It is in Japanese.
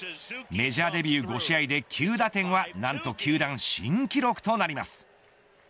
メジャーデビュー５試合で９打点は何と球団新記録となります。